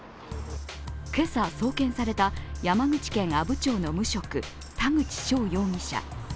今朝、送検された山口県阿武町の無職、田口翔容疑者。